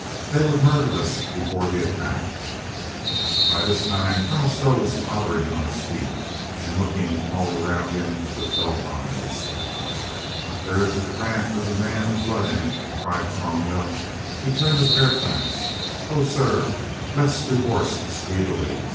"They would murder us before the attack." By this time, Colonel Stow was tottering on his feet, and looking all round him with dull eyes. "There is the craft of the man of blood in it," cried Cromwell. He turned to Fairfax. "O, slr> 378 COLONEL GREATHEART let's to horse speedily.